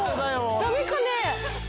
ダメかね？